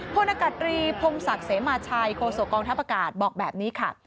พลอากาศรีพงศักดิ์เสมาชัยโคศกองทัพอากาศบอกแบบนี้ค่ะ